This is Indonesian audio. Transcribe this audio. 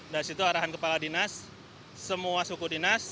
dari situ arahan kepala dinas semua suku dinas